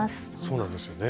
そうなんですよね。